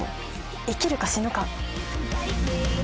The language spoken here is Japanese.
生きるか死ぬか。